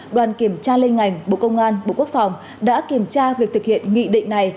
đoàn kiểm tra lên ngành bộ công an bộ quốc phòng đã kiểm tra việc thực hiện nghị định này